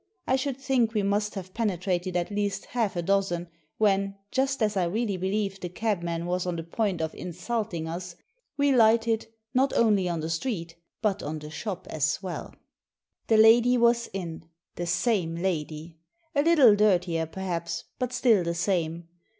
I should think we must have penetrated at least half a dozen when, just as I really believe the cabman was on the point of in sulting us, we lighted, not only on the street, but on the shop as well. The lady was in — the same lady. A little dirtier, perhaps, but still the same.